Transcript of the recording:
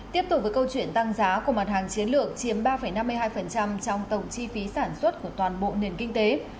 tiếp tục với câu chuyện tăng giá của mặt hàng chiến lược chiếm ba năm mươi hai trong tổng chi phí sản xuất của toàn bộ nền kinh tế